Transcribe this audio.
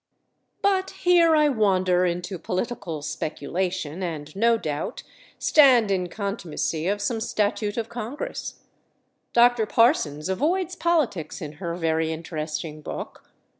But here I wander into political speculation and no doubt stand in contumacy of some statute of Congress. Dr. Parsons avoids politics in her very interesting book.